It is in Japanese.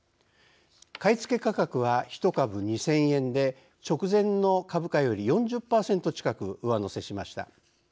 買い付け価格は１株２，０００円で直前の株価より４０％近く上乗せしました。